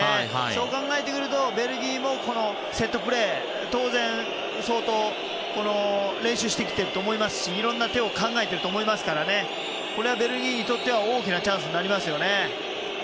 そう考えていうとベルギーも、セットプレー当然、相当練習してきていると思いますしいろんな手を考えていると思いますからこれはベルギーにとっては大きなチャンスになりますよね。